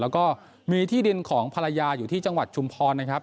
แล้วก็มีที่ดินของภรรยาอยู่ที่จังหวัดชุมพรนะครับ